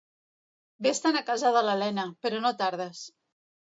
Vés-te'n a casa de l'Elena, però no tardes.